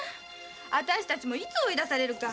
あたしたちもいつ追い出されるか。